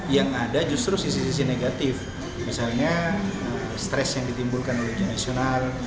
yang ada justru sisi sisi negatif misalnya stres yang ditimbulkan oleh di nasional